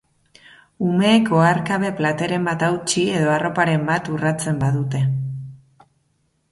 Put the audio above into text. Umeek oharkabe plateren bat hautsi edo arroparen bat urratzen badute.